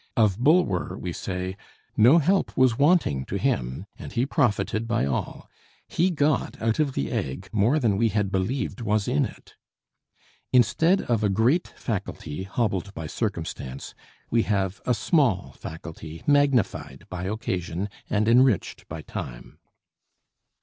of Bulwer we say, "No help was wanting to him, and he profited by all; he got out of the egg more than we had believed was in it!" Instead of a great faculty hobbled by circumstance, we have a small faculty magnified by occasion and enriched by time.